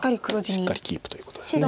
しっかりキープということです。